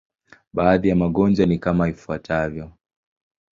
Baadhi ya magonjwa ni kama ifuatavyo.